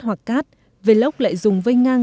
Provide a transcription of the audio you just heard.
hoặc cát velox lại dùng vây ngang